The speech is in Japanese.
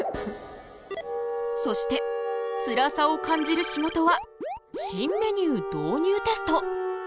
そしてつらさを感じる仕事は新メニュー導入テスト。